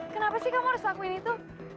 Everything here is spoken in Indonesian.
kenapa sih kamu harus lakuin itu